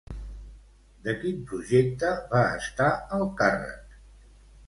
De quin projecte va estar al càrrec?